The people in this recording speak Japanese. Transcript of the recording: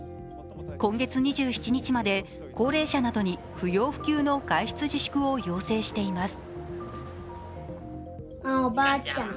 今月２７日まで高齢者などに不要不急の外出自粛を要請しています。